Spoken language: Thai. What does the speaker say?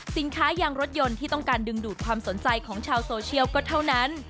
ยางรถยนต์ที่ต้องการดึงดูดความสนใจของชาวโซเชียลก็เท่านั้น